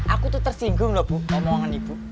aku tuh tersinggung loh bu omongan ibu